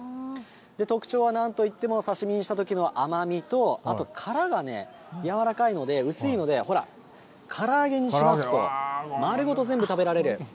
特徴はなんといっても、刺身にしたときの甘みと、あと殻がね、柔らかいので、薄いので、ほら、から揚げにしますと、丸ごと全部食べられる。